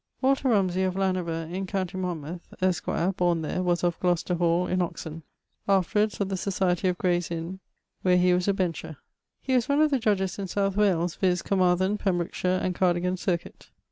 _ Walter Rumsey, of Lanover, in com. Monmouth, esquier (borne there), was of in Oxon; afterwards of the society of Graye's Inne, where he was a bencher. He was one of the judges in South Wales, viz. Caermarthen, Pembrokeshire, and Cardigan circuit.